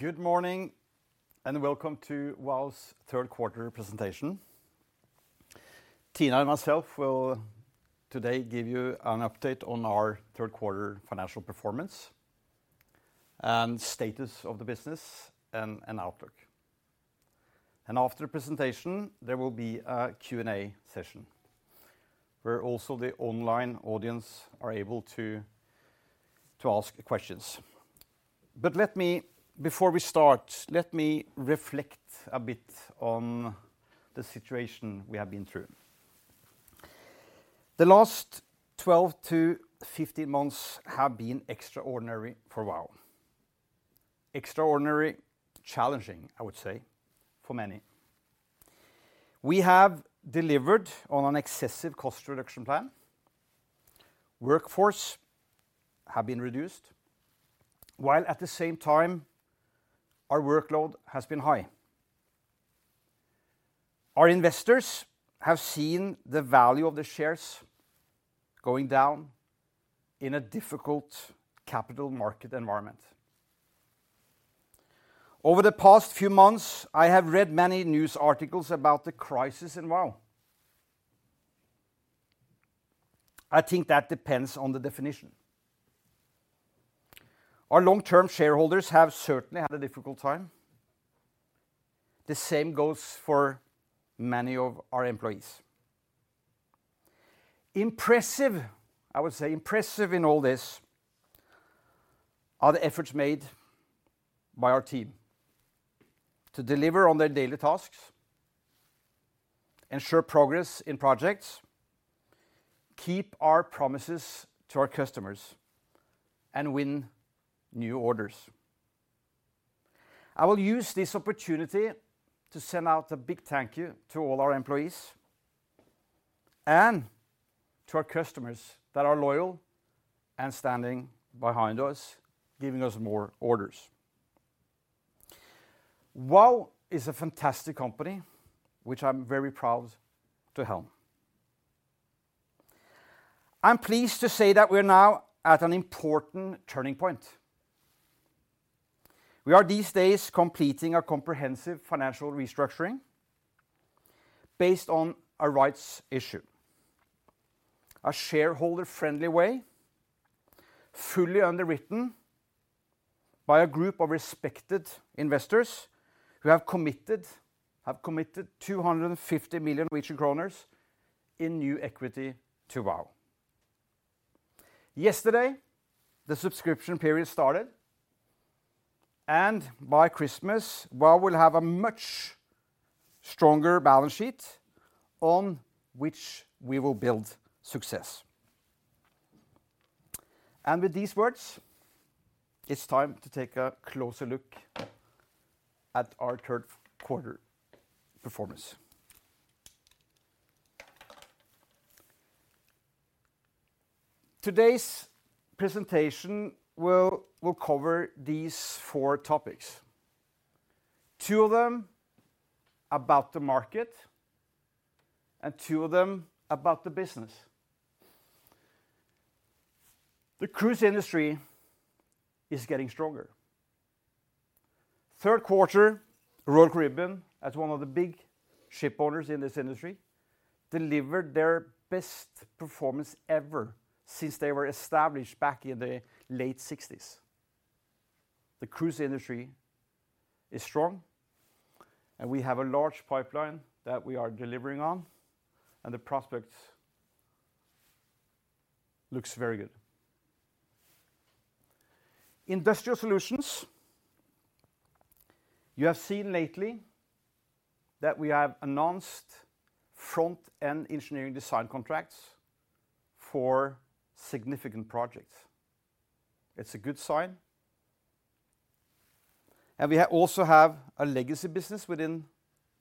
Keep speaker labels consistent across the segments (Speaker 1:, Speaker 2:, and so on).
Speaker 1: Good morning and welcome to Vow third quarter presentation. Tina and myself will today give you an update on our third quarter financial performance and status of the business and outlook. And after the presentation, there will be a Q&A session where also the online audience are able to ask questions. But let me, before we start, let me reflect a bit on the situation we have been through. The last 12 to 15 months have been extraordinary for Vow. Extraordinary, challenging, I would say, for many. We have delivered on an excessive cost reduction plan. Workforce has been reduced, while at the same time our workload has been high. Our investors have seen the value of the shares going down in a difficult capital market environment. Over the past few months, I have read many news articles about the crisis in Vow. I think that depends on the definition. Our long-term shareholders have certainly had a difficult time. The same goes for many of our employees. Impressive, I would say, impressive in all this are the efforts made by our team to deliver on their daily tasks, ensure progress in projects, keep our promises to our customers, and win new orders. I will use this opportunity to send out a big thank you to all our employees and to our customers that are loyal and standing behind us, giving us more orders. Vow is a fantastic company, which I'm very proud to help. I'm pleased to say that we're now at an important turning point. We are these days completing a comprehensive financial restructuring based on a rights issue, a shareholder-friendly way, fully underwritten by a group of respected investors who have committed 250 million Norwegian kroner in new equity to Vow. Yesterday, the subscription period started, and by Christmas, Vow will have a much stronger balance sheet on which we will build success, and with these words, it's time to take a closer look at our third quarter performance. Today's presentation will cover these four topics: two of them about the market and two of them about the business. The cruise industry is getting stronger. Third quarter, Royal Caribbean, as one of the big ship owners in this industry, delivered their best performance ever since they were established back in the late 1960s. The cruise industry is strong, and we have a large pipeline that we are delivering on, and the prospect looks very good. Industrial Solutions, you have seen lately that we have announced front-end engineering design contracts for significant projects. It's a good sign. We also have a legacy business within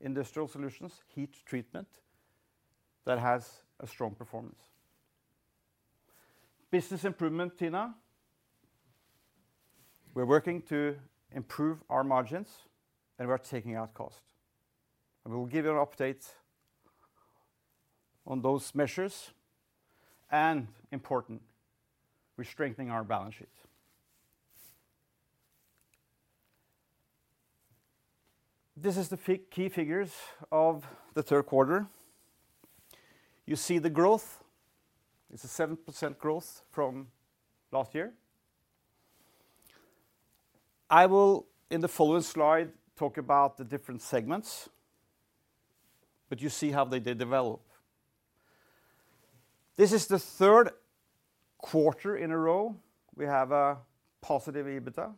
Speaker 1: industrial solutions, heat treatment, that has a strong performance. Business improvement, Tina. We're working to improve our margins, and we're taking out cost. And we will give you an update on those measures. And important, we're strengthening our balance sheet. This is the key figures of the third quarter. You see the growth. It's a 7% growth from last year. I will, in the following slide, talk about the different segments, but you see how they develop. This is the third quarter in a row. We have a positive EBITDA.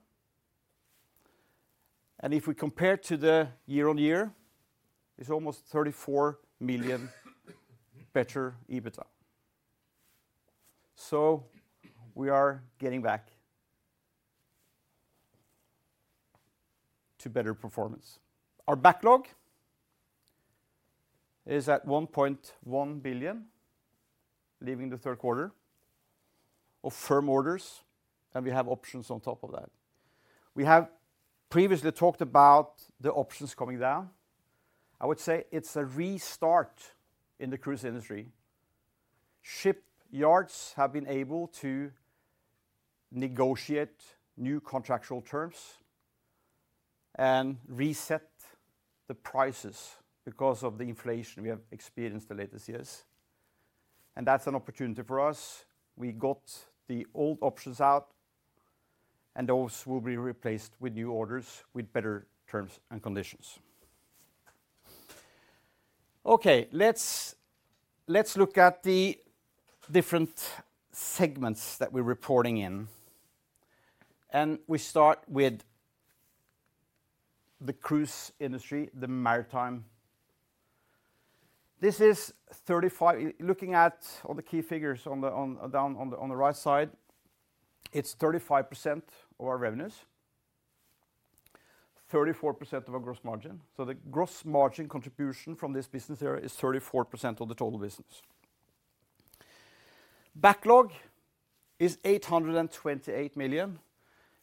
Speaker 1: And if we compare to the year-on-year, it's almost 34 million better EBITDA. So we are getting back to better performance. Our backlog is at 1.1 billion leaving the third quarter of firm orders, and we have options on top of that. We have previously talked about the options coming down. I would say it's a restart in the cruise industry. Shipyards have been able to negotiate new contractual terms and reset the prices because of the inflation we have experienced the latest years. And that's an opportunity for us. We got the old options out, and those will be replaced with new orders with better terms and conditions. Okay, let's look at the different segments that we're reporting in. And we start with the cruise industry, the maritime. This is 35, looking at all the key figures on the right side, it's 35% of our revenues, 34% of our gross margin. So the gross margin contribution from this business area is 34% of the total business. Backlog is 828 million.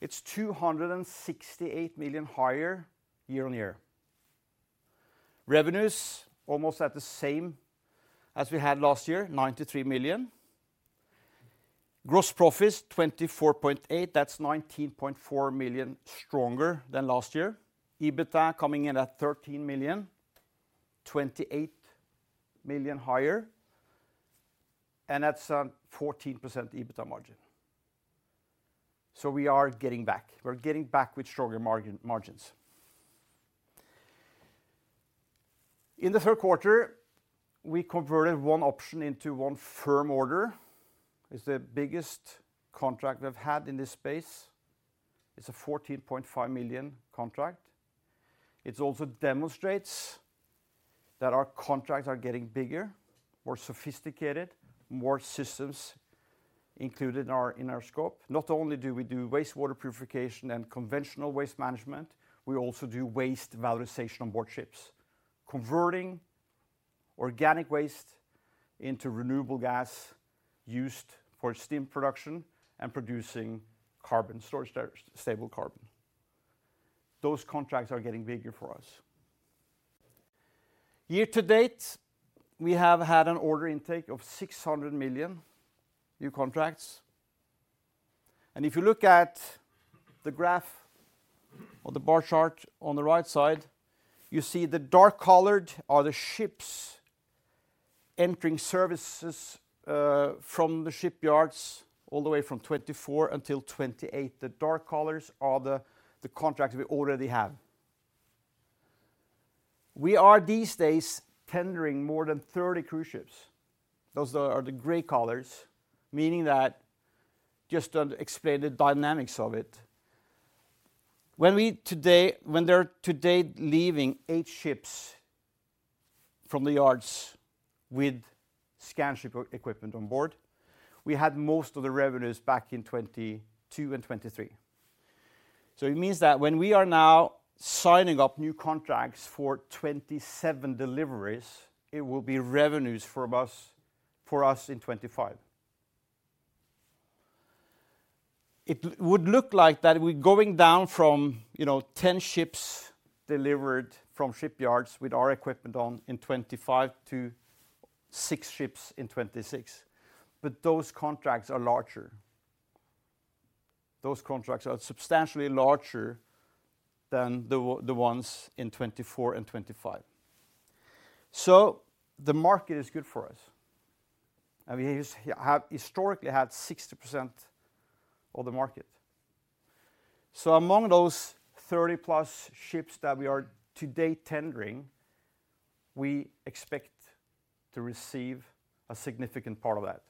Speaker 1: It's 268 million higher year on year. Revenues almost at the same as we had last year, 93 million. Gross profits, 24.8 million, that's 19.4 million stronger than last year. EBITDA coming in at 13 million, 28 million higher, and that's a 14% EBITDA margin. So we are getting back. We're getting back with stronger margins. In the third quarter, we converted one option into one firm order. It's the biggest contract we've had in this space. It's a 14.5 million contract. It also demonstrates that our contracts are getting bigger, more sophisticated, more systems included in our scope. Not only do we do wastewater purification and conventional waste management, we also do waste valorization on board ships, converting organic waste into renewable gas used for steam production and producing carbon, storage-stable carbon. Those contracts are getting bigger for us. Year to date, we have had an order intake of 600 million, new contracts. If you look at the graph or the bar chart on the right side, you see the dark colored are the ships entering service from the shipyards all the way from 2024 until 2028. The dark colors are the contracts we already have. We are these days tendering more than 30 cruise ships. Those are the gray colors, meaning that just to explain the dynamics of it. When we today, when they're today leaving eight ships from the yards with Scanship equipment on board, we had most of the revenues back in 2022 and 2023. So it means that when we are now signing up new contracts for 27 deliveries, it will be revenues for us in 2025. It would look like that we're going down from 10 ships delivered from shipyards with our equipment on in 2025 to six ships in 2026. But those contracts are larger. Those contracts are substantially larger than the ones in 2024 and 2025. So the market is good for us, and we have historically had 60% of the market. So among those 30-plus ships that we are today tendering, we expect to receive a significant part of that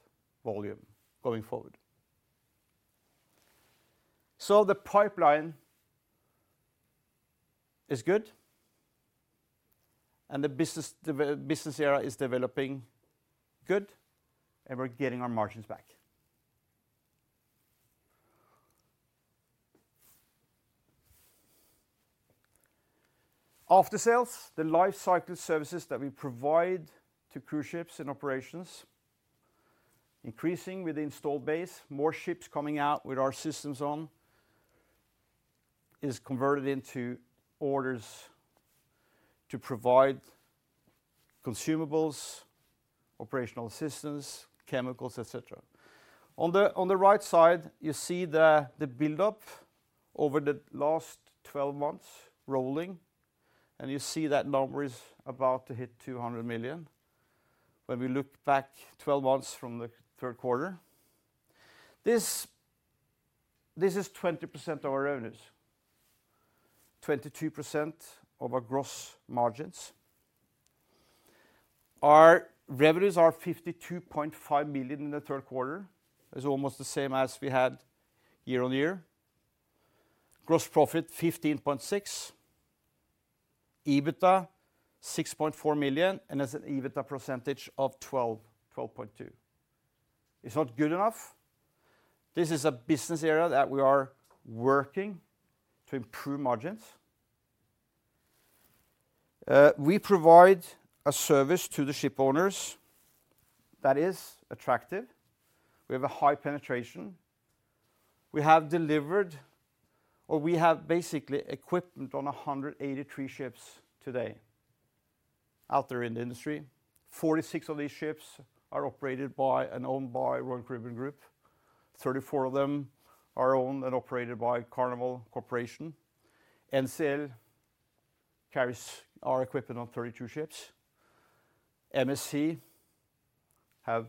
Speaker 1: volume going forward. So the pipeline is good, and the business area is developing good, and we're getting our margins back. Aftersales, the life cycle services that we provide to cruise ships and operations, increasing with the installed base, more ships coming out with our systems on, is converted into orders to provide consumables, operational assistance, chemicals, etc. On the right side, you see the buildup over the last 12 months rolling, and you see that number is about to hit 200 million when we look back 12 months from the third quarter. This is 20% of our revenues, 22% of our gross margins. Our revenues are 52.5 million in the third quarter. It's almost the same as we had year on year. Gross profit, 15.6 million. EBITDA, 6.4 million, and it's an EBITDA percentage of 12.2%. It's not good enough. This is a business area that we are working to improve margins. We provide a service to the ship owners that is attractive. We have a high penetration. We have delivered, or we have basically equipment on 183 ships today out there in the industry. 46 of these ships are operated by and owned by Royal Caribbean Group. 34 of them are owned and operated by Carnival Corporation. NCL carries our equipment on 32 ships. MSC have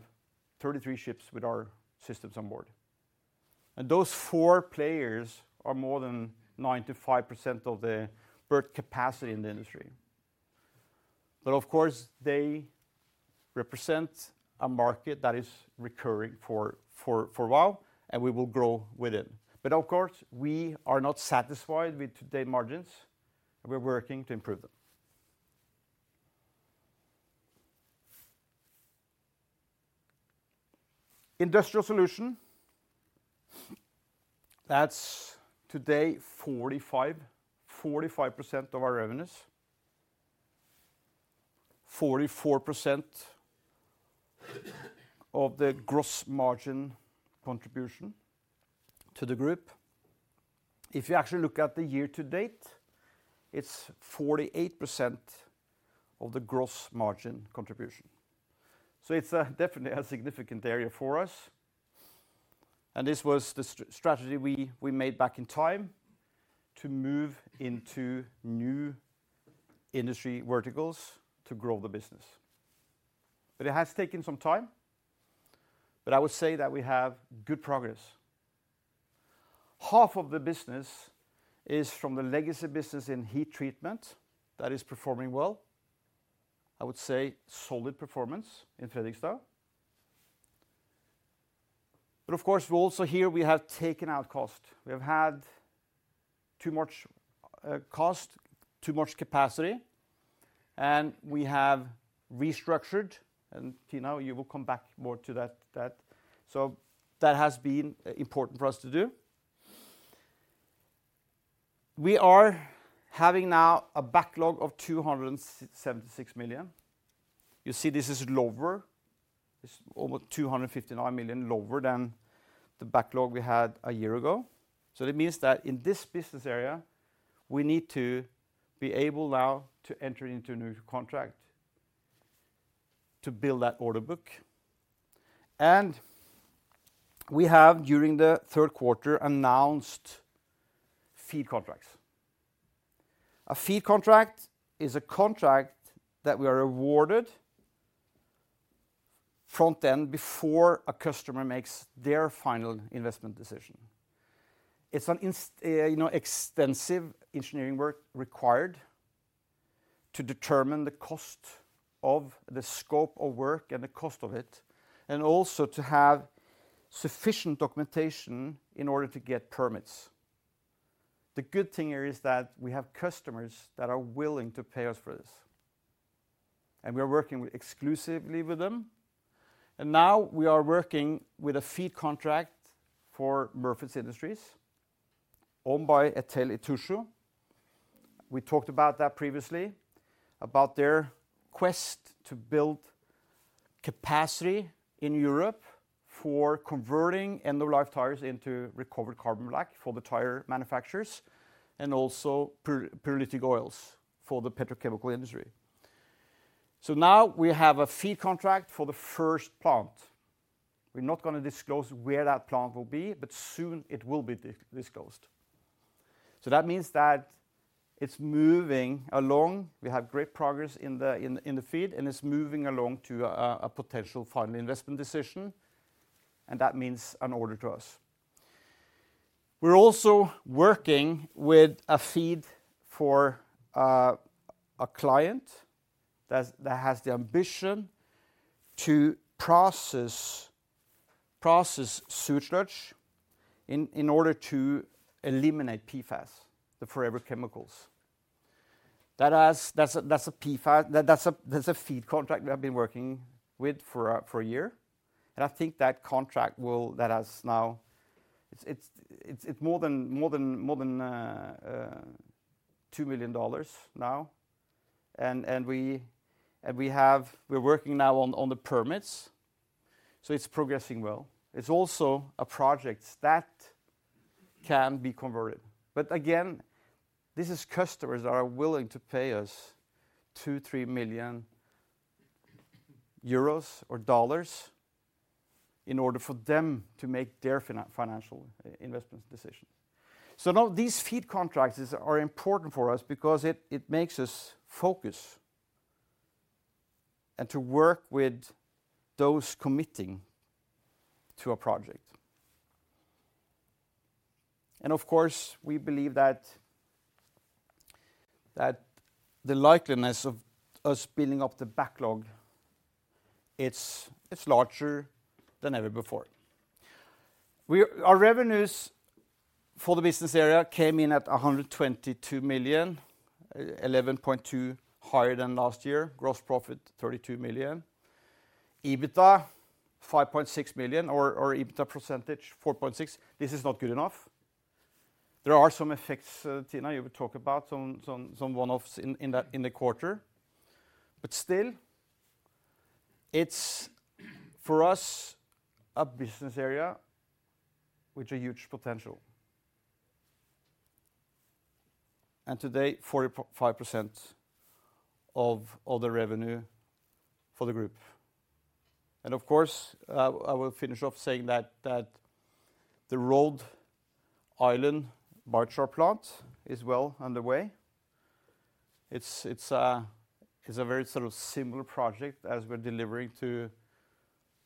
Speaker 1: 33 ships with our systems on board. And those four players are more than 95% of the berth capacity in the industry. But of course, they represent a market that is recurring for a while, and we will grow with it. But of course, we are not satisfied with today's margins, and we're working to improve them. Industrial Solutions, that's today 45% of our revenues, 44% of the gross margin contribution to the group. If you actually look at the year to date, it's 48% of the gross margin contribution. So it's definitely a significant area for us. And this was the strategy we made back in time to move into new industry verticals to grow the business. But it has taken some time. But I would say that we have good progress. Half of the business is from the legacy business in heat treatment that is performing well. I would say solid performance in Felixstowe. But of course, we also here have taken out cost. We have had too much cost, too much capacity. And we have restructured, and Tina, you will come back more to that. So that has been important for us to do. We are having now a backlog of 276 million. You see this is lower. It's almost 259 million lower than the backlog we had a year ago. So it means that in this business area, we need to be able now to enter into a new contract to build that order book. And we have, during the third quarter, announced FEED contracts. A FEED contract is a contract that we are awarded front-end before a customer makes their final investment decision. It's an extensive engineering work required to determine the cost of the scope of work and the cost of it, and also to have sufficient documentation in order to get permits. The good thing here is that we have customers that are willing to pay us for this. And we are working exclusively with them. And now we are working with a FEED contract for Murfitts Industries owned by ETEL. We talked about that previously, about their quest to build capacity in Europe for converting end-of-life tires into recovered carbon black for the tire manufacturers and also pyrolytic oils for the petrochemical industry. So now we have a FEED contract for the first plant. We're not going to disclose where that plant will be, but soon it will be disclosed. So that means that it's moving along. We have great progress in the FEED, and it's moving along to a potential final investment decision. And that means an order to us. We're also working with a FEED for a client that has the ambition to process sewage sludge in order to eliminate PFAS, the forever chemicals. That's a FEED contract we have been working with for a year. And I think that has now, it's more than $2 million now. And we're working now on the permits. So it's progressing well. It's also a project that can be converted. But again, this is customers that are willing to pay us 2-3 million euros or USD in order for them to make their financial investment decisions. So now these FEED contracts are important for us because it makes us focus and to work with those committing to a project. And of course, we believe that the likelihood of us building up the backlog, it's larger than ever before. Our revenues for the business area came in at 122 million, 11.2 million higher than last year, gross profit 32 million. EBITDA 5.6 million or EBITDA percentage 4.6%. This is not good enough. There are some effects, Tina. You will talk about some one-offs in the quarter. But still, it's for us a business area with a huge potential, and today 45% of the revenue for the group. Of course, I will finish off saying that the Rhode Island Biochar plant is well underway. It's a very sort of similar project as we're delivering to,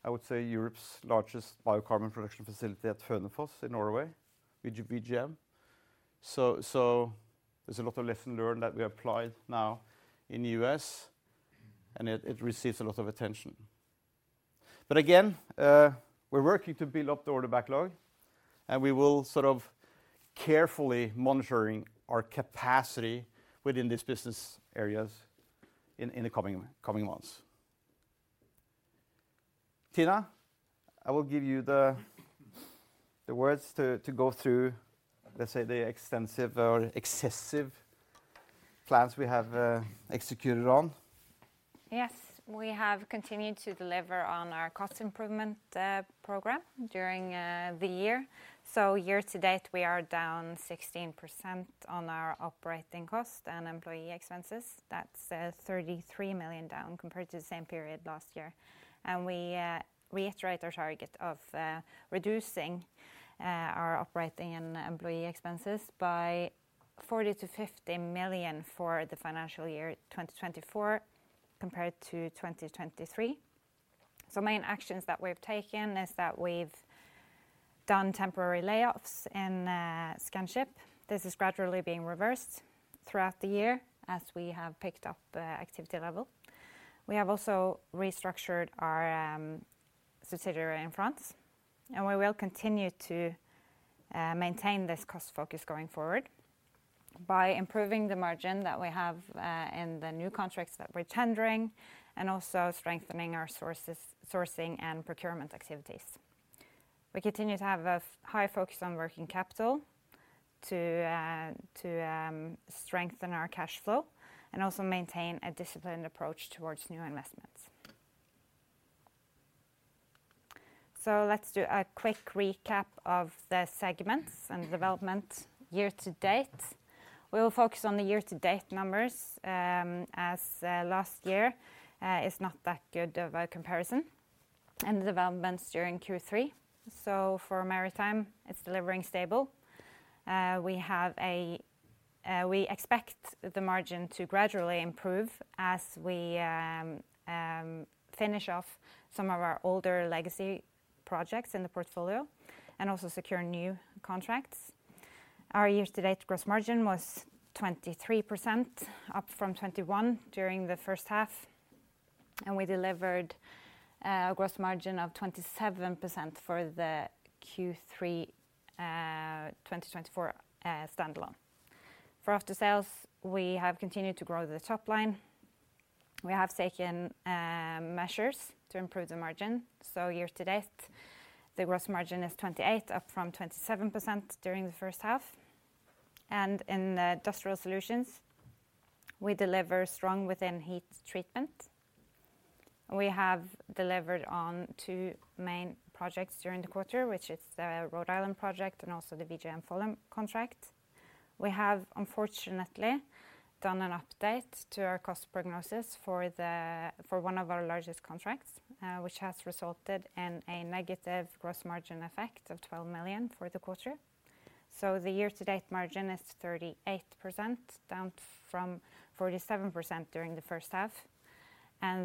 Speaker 1: I would say, Europe's largest biocarbon production facility at Hønefoss in Norway, VGM. So there's a lot of lesson learned that we applied now in the US, and it receives a lot of attention. But again, we're working to build up the order backlog, and we will sort of carefully monitor our capacity within these business areas in the coming months. Tina, I will give you the words to go through, let's say, the extensive or excessive plans we have executed on. Yes, we have continued to deliver on our cost improvement program during the year. So year to date, we are down 16% on our operating cost and employee expenses. That's 33 million down compared to the same period last year. And we reiterate our target of reducing our operating and employee expenses by 40-50 million for the financial year 2024 compared to 2023. So main actions that we've taken is that we've done temporary layoffs in Scanship. This is gradually being reversed throughout the year as we have picked up activity level. We have also restructured our subsidiary in France. We will continue to maintain this cost focus going forward by improving the margin that we have in the new contracts that we're tendering and also strengthening our sourcing and procurement activities. We continue to have a high focus on working capital to strengthen our cash flow and also maintain a disciplined approach towards new investments. Let's do a quick recap of the segments and development year to date. We will focus on the year to date numbers as last year is not that good of a comparison and the developments during Q3. For maritime, it's delivering stable. We expect the margin to gradually improve as we finish off some of our older legacy projects in the portfolio and also secure new contracts. Our year to date gross margin was 23%, up from 21% during the first half. We delivered a gross margin of 27% for the Q3 2024 standalone. For Aftersales, we have continued to grow the top line. We have taken measures to improve the margin. Year to date, the gross margin is 28%, up from 27% during the first half. In Industrial Solutions, we deliver strong within heat treatment. We have delivered on two main projects during the quarter, which is the Rhode Island project and also the BGM Follum contract. We have, unfortunately, done an update to our cost prognosis for one of our largest contracts, which has resulted in a negative gross margin effect of 12 million for the quarter. The year to date margin is 38%, down from 47% during the first half.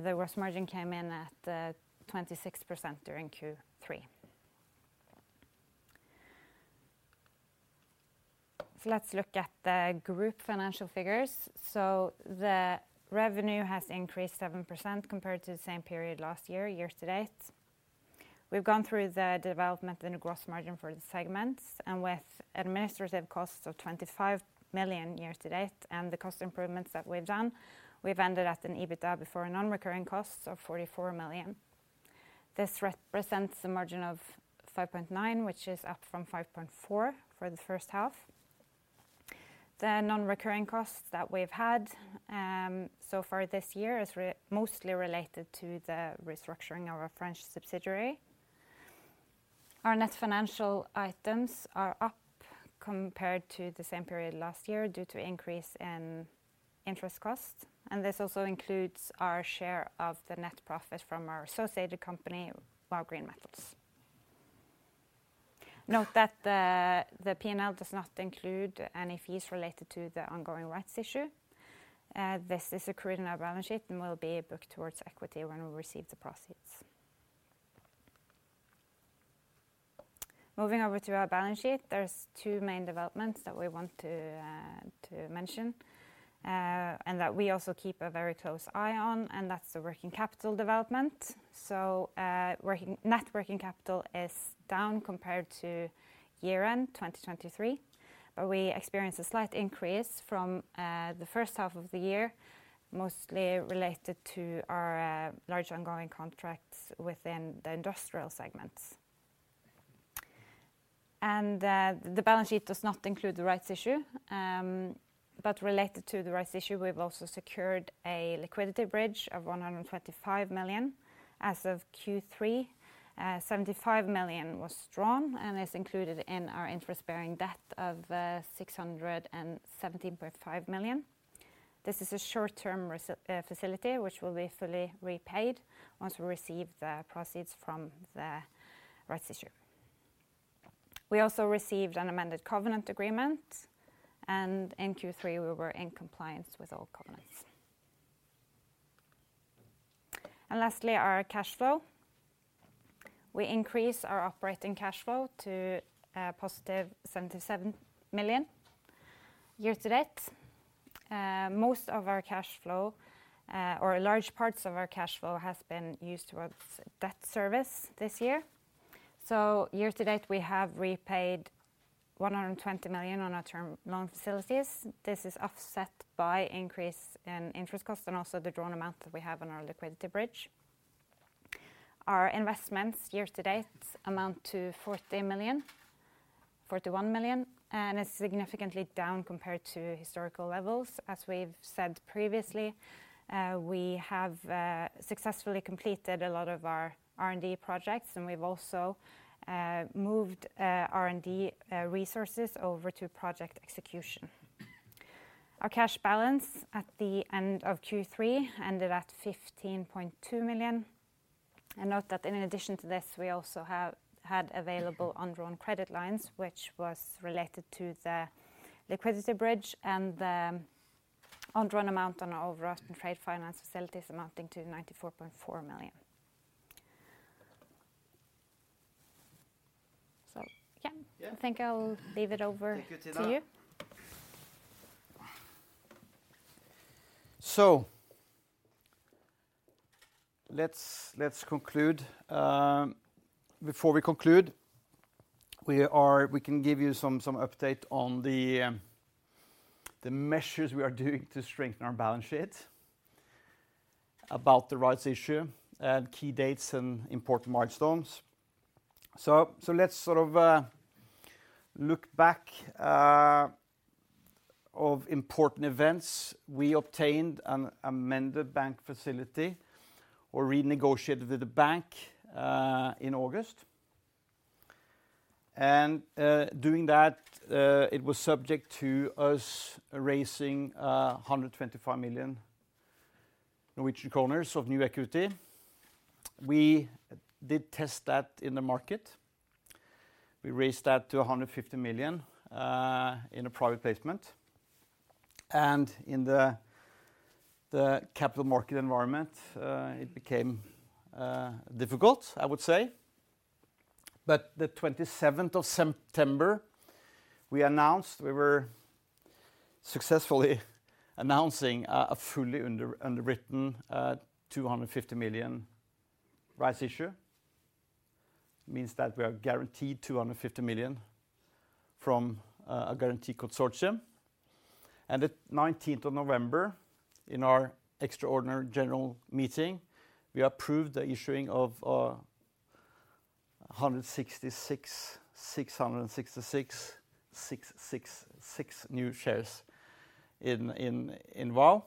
Speaker 1: The gross margin came in at 26% during Q3. Let's look at the group financial figures. The revenue has increased 7% compared to the same period last year, year to date. We've gone through the development and the gross margin for the segments. With administrative costs of 25 million NOK year to date and the cost improvements that we've done, we've ended at an EBITDA before non-recurring costs of 44 million NOK. This represents a margin of 5.9%, which is up from 5.4% for the first half. The non-recurring costs that we've had so far this year is mostly related to the restructuring of our French subsidiary. Our net financial items are up compared to the same period last year due to increase in interest costs. This also includes our share of the net profit from our associated company, Vow Green Metals. Note that the P&L does not include any fees related to the ongoing rights issue. This is accrued in our balance sheet and will be booked towards equity when we receive the proceeds. Moving over to our balance sheet, there's two main developments that we want to mention and that we also keep a very close eye on, and that's the working capital development. So net working capital is down compared to year-end 2023, but we experience a slight increase from the first half of the year, mostly related to our large ongoing contracts within the industrial segments. And the balance sheet does not include the rights issue. But related to the rights issue, we've also secured a liquidity bridge of 125 million. As of Q3, 75 million was drawn and is included in our interest-bearing debt of 617.5 million. This is a short-term facility, which will be fully repaid once we receive the proceeds from the rights issue. We also received an amended covenant agreement, and in Q3, we were in compliance with all covenants. Lastly, our cash flow. We increased our operating cash flow to positive 77 million year to date. Most of our cash flow, or large parts of our cash flow, has been used towards debt service this year. Year to date, we have repaid 120 million on our term loan facilities. This is offset by increase in interest costs and also the drawn amount that we have on our liquidity bridge. Our investments year to date amount to 40 million, 41 million, and it's significantly down compared to historical levels. As we've said previously, we have successfully completed a lot of our R&D projects, and we've also moved R&D resources over to project execution. Our cash balance at the end of Q3 ended at 15.2 million. And note that in addition to this, we also had available undrawn credit lines, which was related to the liquidity bridge and the drawn amount on our overdrawn trade finance facilities amounting to 94.4 million NOK. So yeah, I think I'll leave it over to you. So let's conclude. Before we conclude, we can give you some update on the measures we are doing to strengthen our balance sheet about the rights issue, key dates, and important milestones. So let's sort of look back at important events. We obtained an amended bank facility or renegotiated with the bank in August. And doing that, it was subject to us raising 125 million Norwegian kroner of new equity. We did test that in the market. We raised that to 150 million NOK in a private placement. And in the capital market environment, it became difficult, I would say. The 27th of September, we announced we were successfully announcing a fully underwritten 250 million rights issue. It means that we are guaranteed 250 million from a guarantee consortium. The 19th of November, in our extraordinary general meeting, we approved the issuing of 166,666 new shares in Vow.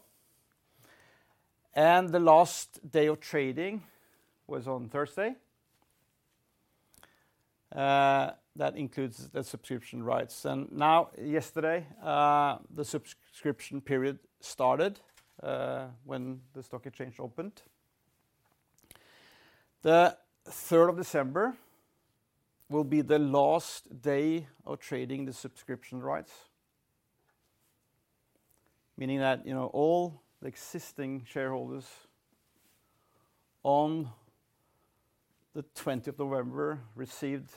Speaker 1: The last day of trading was on Thursday. That includes the subscription rights. Now, yesterday, the subscription period started when the stock exchange opened. The 3rd of December will be the last day of trading the subscription rights, meaning that all the existing shareholders on the 20th of November received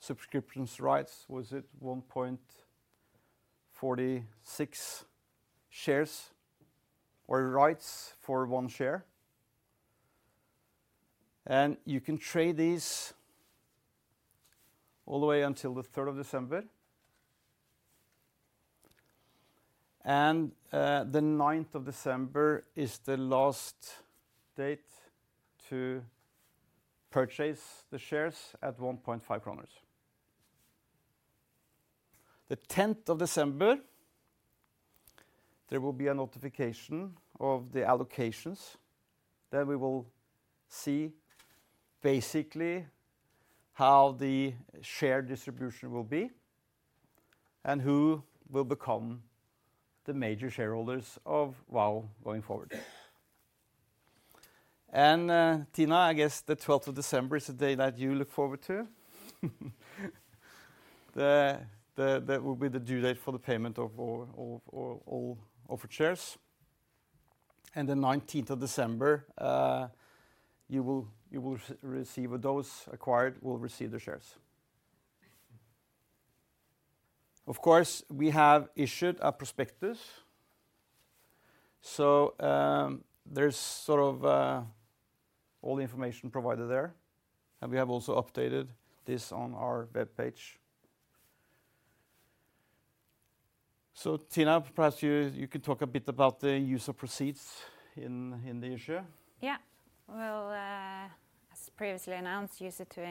Speaker 1: subscription rights. Was it 1.46 shares or rights for one share? You can trade these all the way until the 3rd of December. The 9th of December is the last date to purchase the shares at 1.5 kroner. The 10th of December, there will be a notification of the allocations. Then we will see basically how the share distribution will be and who will become the major shareholders of Vow going forward. And Tina, I guess the 12th of December is the day that you look forward to. That will be the due date for the payment of all offered shares. And the 19th of December, those who acquired will receive the shares. Of course, we have issued a prospectus. So there's sort of all the information provided there. And we have also updated this on our web page. So Tina, perhaps you can talk a bit about the use of proceeds in the issue. Yeah. Well, as previously announced, used it to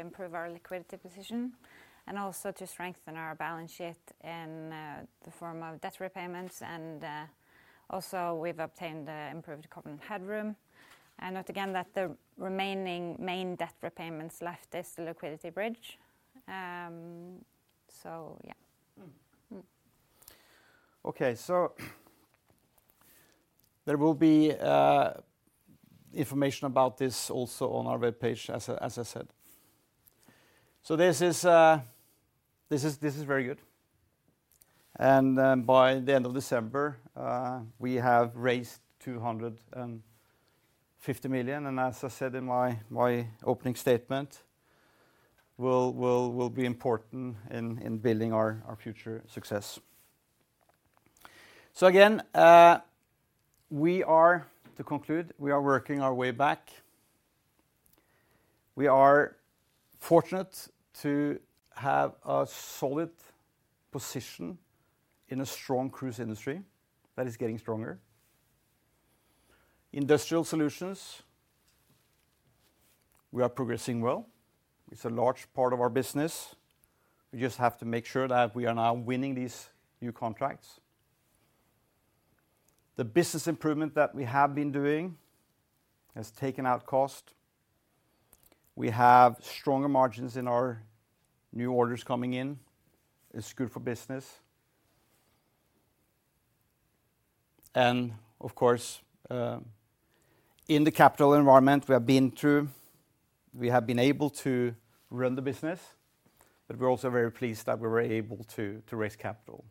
Speaker 1: improve our liquidity position and also to strengthen our balance sheet in the form of debt repayments. And also, we've obtained improved covenant headroom. And again, that the remaining main debt repayments left is the liquidity bridge. So yeah. Okay. So there will be information about this also on our web page, as I said. So this is very good. And by the end of December, we have raised 250 million. And as I said in my opening statement, will be important in building our future success. So again, to conclude, we are working our way back. We are fortunate to have a solid position in a strong cruise industry that is getting stronger. Industrial Solutions, we are progressing well. It's a large part of our business. We just have to make sure that we are now winning these new contracts. The business improvement that we have been doing has taken out cost. We have stronger margins in our new orders coming in. It's good for business. Of course, in the capital environment we have been through, we have been able to run the business, but we're also very pleased that we were able to raise capital.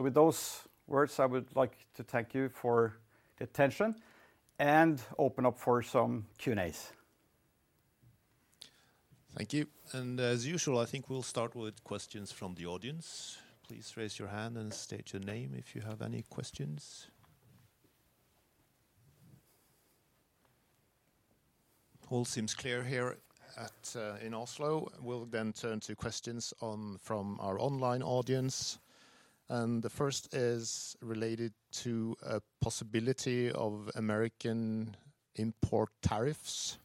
Speaker 1: With those words, I would like to thank you for the attention and open up for some Q&As. Thank you. As usual, I think we'll start with questions from the audience. Please raise your hand and state your name if you have any questions. All seems clear here in Oslo. We'll then turn to questions from our online audience. The first is related to a possibility of American import tariffs.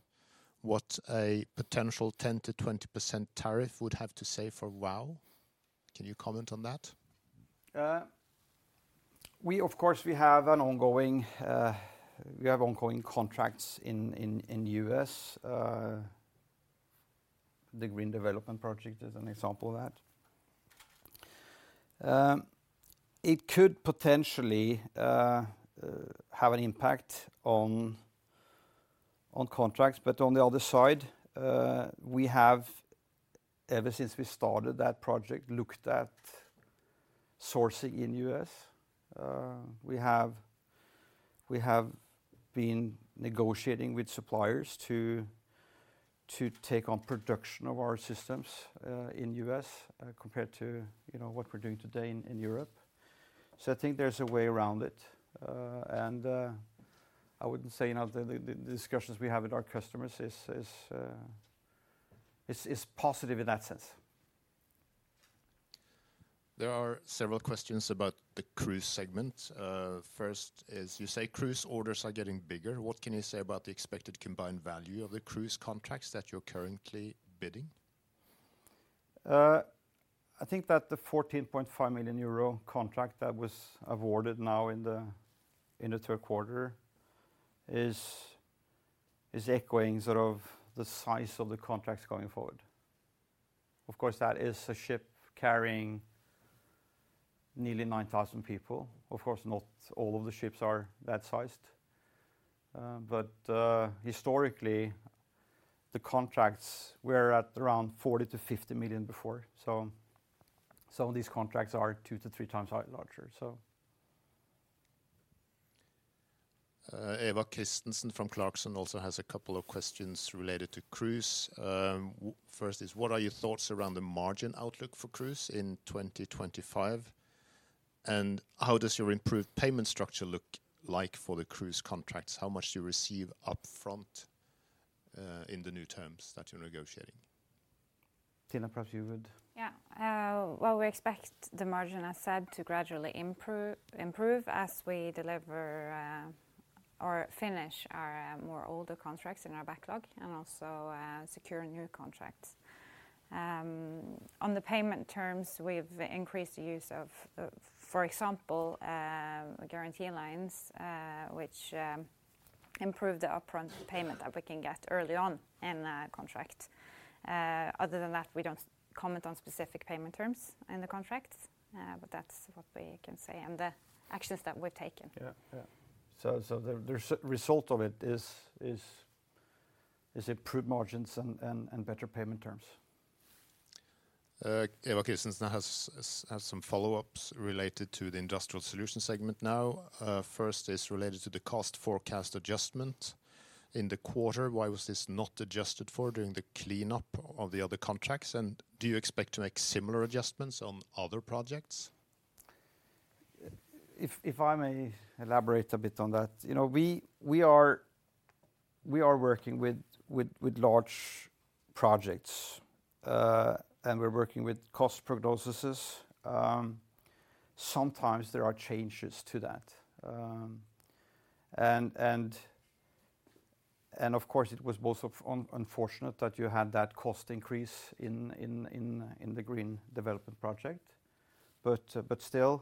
Speaker 1: What a potential 10%-20% tariff would have to say for Vow. Can you comment on that? We, of course, we have ongoing contracts in the U.S. The Green Development Project is an example of that. It could potentially have an impact on contracts. But on the other side, we have, ever since we started that project, looked at sourcing in the U.S. We have been negotiating with suppliers to take on production of our systems in the U.S. compared to what we're doing today in Europe. So I think there's a way around it. And I wouldn't say the discussions we have with our customers is positive in that sense. There are several questions about the cruise segment. First is, you say cruise orders are getting bigger. What can you say about the expected combined value of the cruise contracts that you're currently bidding? I think that the 14.5 million euro contract that was awarded now in the third quarter is echoing sort of the size of the contracts going forward. Of course, that is a ship carrying nearly 9,000 people. Of course, not all of the ships are that sized. But historically, the contracts were at around 40 million-50 million before. So some of these contracts are two to three times larger, so. Eva Christensen from Clarksons also has a couple of questions related to cruise. First is, what are your thoughts around the margin outlook for cruise in 2025? And how does your improved payment structure look like for the cruise contracts? How much do you receive upfront in the new terms that you're negotiating? Tina, perhaps you would. Yeah. Well, we expect the margin, as said, to gradually improve as we deliver or finish our more older contracts in our backlog and also secure new contracts. On the payment terms, we've increased the use of, for example, guarantee lines, which improve the upfront payment that we can get early on in a contract. Other than that, we don't comment on specific payment terms in the contracts, but that's what we can say and the actions that we've taken. Yeah, yeah. So the result of it is improved margins and better payment terms. Eva Christensen has some follow-ups related to the Industrial Solutions segment now. First is related to the cost forecast adjustment in the quarter. Why was this not adjusted for during the cleanup of the other contracts? And do you expect to make similar adjustments on other projects? If I may elaborate a bit on that, we are working with large projects, and we're working with cost prognoses. Sometimes there are changes to that. And of course, it was both unfortunate that you had that cost increase in the Green Development Project. But still,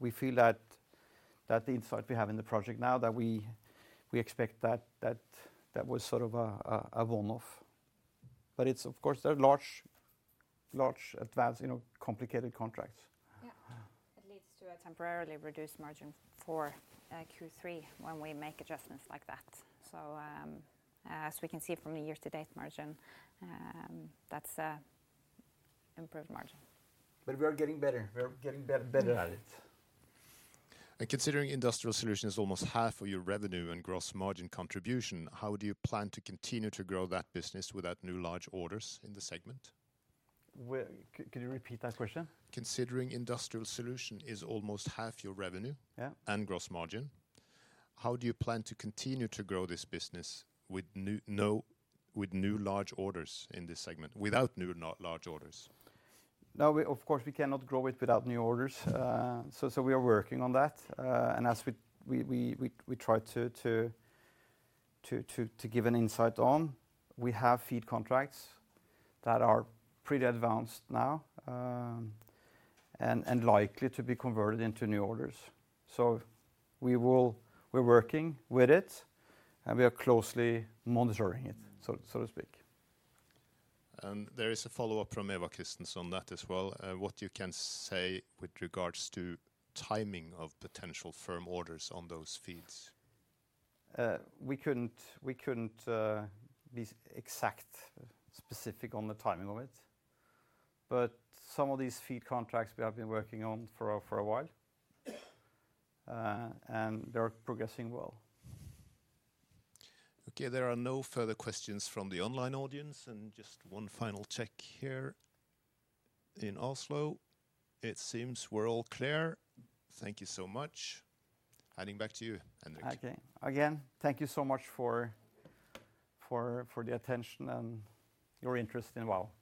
Speaker 1: we feel that the insight we have in the project now, that we expect that was sort of a one-off. But it's, of course, there are large, advanced, complicated contracts. Yeah. It leads to a temporarily reduced margin for Q3 when we make adjustments like that. So as we can see from the year-to-date margin, that's an improved margin. But we are getting better. We're getting better at it. And considering Industrial Solutions is almost half of your revenue and gross margin contribution, how do you plan to continue to grow that business without new large orders in the segment? Could you repeat that question? Considering Industrial Solutions is almost half your revenue and gross margin, how do you plan to continue to grow this business with new large orders in this segment, without new large orders? Now, of course, we cannot grow it without new orders. So we are working on that. And as we try to give an insight on, we have FEED contracts that are pretty advanced now and likely to be converted into new orders. So we're working with it, and we are closely monitoring it, so to speak. And there is a follow-up from Eva Christensen on that as well. What you can say with regards to timing of potential firm orders on those FEED? We couldn't be exact, specific on the timing of it. But some of these FEED contracts we have been working on for a while, and they're progressing well. Okay. There are no further questions from the online audience. And just one final check here. In Oslo, it seems we're all clear. Thank you so much. Handing back to you, Henrik. Okay. Again, thank you so much for the attention and your interest in Vow.